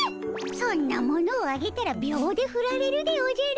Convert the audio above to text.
そんなものをあげたら秒でふられるでおじゃる。